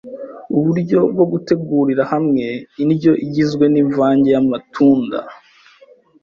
uburyo bwo gutegurira hamwe indyo igizwe n’imvange y’amatunda,